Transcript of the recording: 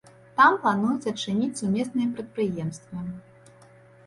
Там плануюць адчыніць сумесныя прадпрыемствы.